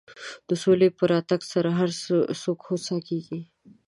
د سولې په راتګ سره هر څوک هوسا کېږي.